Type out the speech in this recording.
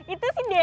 itu si dl